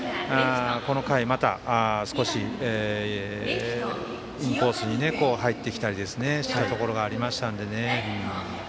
この回、また少しインコースに入ってきたりすることもありましたのでね。